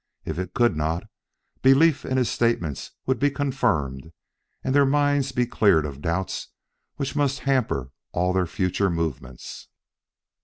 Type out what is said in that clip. If it could not, belief in his statements would be confirmed and their minds be cleared of a doubt which must hamper all their future movements.